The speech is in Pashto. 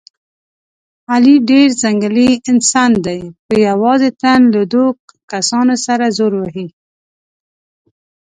علي ډېر ځنګلي انسان دی، په یوازې تن له دور کسانو سره زور وهي.